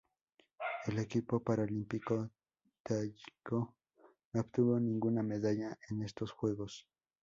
El equipo paralímpico tayiko no obtuvo ninguna medalla en estos Juegos.